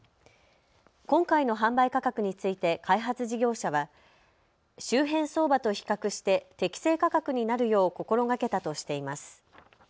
今回の販売価格について開発事業者は周辺相場と比較して適正価格になるよう心がけたとしています。